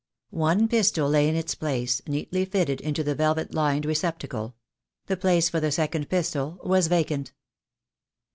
One pistol lay in its place, neatly fitted into the velvet lined receptacle. The place for the second pistol was vacant.